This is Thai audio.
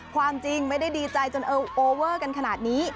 ความจริงไม่ได้ดีใจจนโอเวอร์กันขนาดนี้